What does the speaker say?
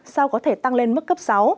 sau có thể tăng lên mức cấp sáu